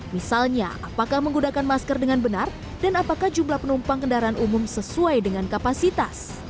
misalnya apakah menggunakan masker dengan benar dan apakah jumlah penumpang kendaraan umum sesuai dengan kapasitas